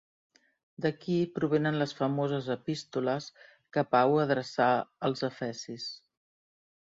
D'aquí provenen les famoses epístoles que Pau adreçà als efesis.